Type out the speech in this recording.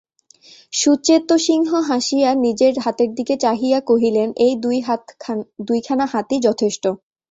সুচেতসিংহ হাসিয়া নিজের হাতের দিকে চাহিয়া কহিলেন এই দুইখানা হাতই যথেষ্ট।